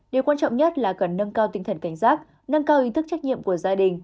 điều quan trọng nhất là cần nâng cao tinh thần cảnh giác nâng cao ý thức trách nhiệm của gia đình